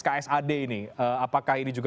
ksad ini apakah ini juga